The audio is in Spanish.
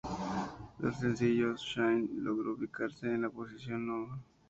El sencillo "Shine" logró ubicarse en la posición No.